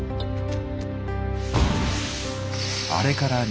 あれから２か月。